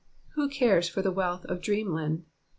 Who cares for the wealth of dream land?